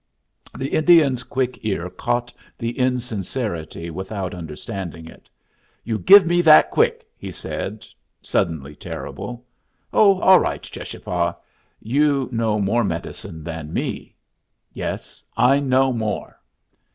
The Indian's quick ear caught the insincerity without understanding it. "You give me that quick!" he said, suddenly terrible. "Oh, all right, Cheschapah. You know more medicine than me." "Yes, I know more."